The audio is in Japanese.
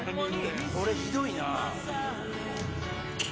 これひどいな。